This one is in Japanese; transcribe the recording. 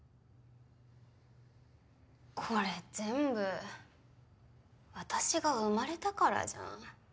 これ全部私が生まれたからじゃん。